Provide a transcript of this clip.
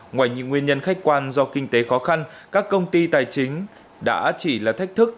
ngoài những nguyên nhân khách quan do kinh tế khó khăn các công ty tài chính đã chỉ là thách thức